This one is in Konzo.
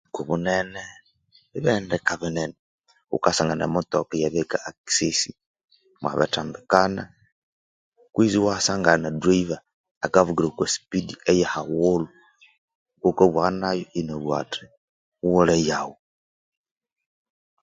Obuthuku bunene ebihendeka binene ghukasangana emutoka iyabiriheka ekisesi imwabithambikana kwizi iwasangana duraiva akavugira okwa sipidi eyahighulhu wukabugha nayo inabugha athi ghuwule eyaghu